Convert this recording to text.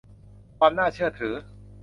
ความน่าเชื่อถือ